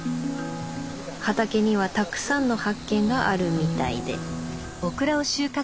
畑にはたくさんの発見があるみたいで。